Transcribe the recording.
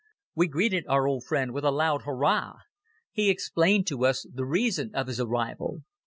We greeted our old friend with a loud Hoorah! He explained to us the reason of his arrival.